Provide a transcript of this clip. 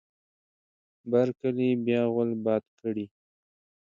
بر کلي بیا غول باد کړی.